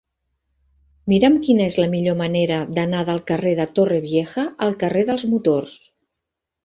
Mira'm quina és la millor manera d'anar del carrer de Torrevieja al carrer dels Motors.